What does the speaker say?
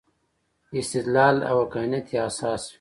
استدلال او عقلانیت یې اساس وي.